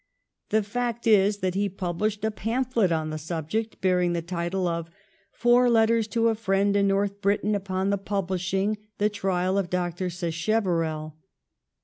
The fact is that he published a pamphlet on the subject, bearing the title of 'Pour Letters to a Friend in North Britain upon the publishing the Trial of Dr. Sacheverel.'